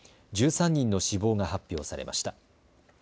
１３人の死亡が発表されました。